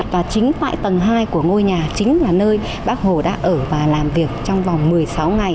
và chính tại tầng hai của ngôi nhà chính là nơi bác hồ đã ở và làm việc trong vòng một mươi sáu ngày